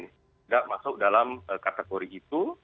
tidak masuk dalam kategori itu